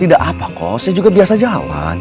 tidak apa kok saya juga biasa jalan